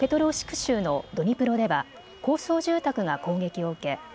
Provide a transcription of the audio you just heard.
州のドニプロでは高層住宅が攻撃を受け